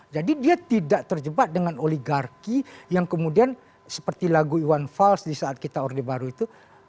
jadi dia tidak terjebak dengan oligarki yang kemudian seperti lagu iwan vals di saat kita orde baru itu